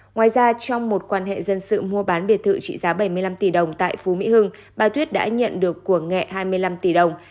ngoài ra trong một quan hệ dân sự mua bán biệt thự trị giá bảy mươi năm tỷ đồng tại phú mỹ hưng bà tuyết đã nhận được của nghẹ hai mươi năm tỷ đồng